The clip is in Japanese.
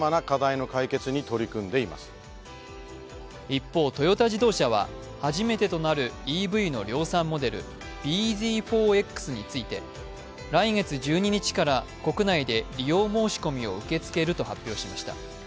一方、トヨタ自動車は初めてとなるＥＶの量産モデル、ｂＺ４Ｘについて、来月１２日から国内で利用申し込みを受け付けると発表しました。